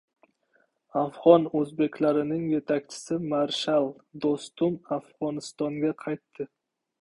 Afg‘on o‘zbeklarining yetakchisi marshal Do‘stum Afg‘onistonga qaytdi